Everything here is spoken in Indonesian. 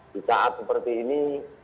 di saat seperti ini